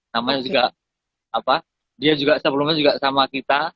namanya juga dia juga sebelumnya juga sama kita